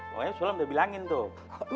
pokoknya sulam udah bilangin tuh